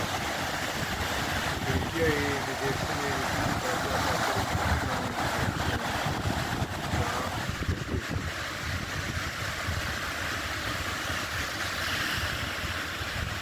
Tirkiyeyê li Dêrsimê li dijî Partiya Karkerên Kurdistanê operasyon da destpêkirin.